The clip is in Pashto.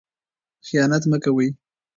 خیانت مه کوئ.